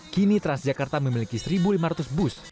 kini transjakarta memiliki satu lima ratus bus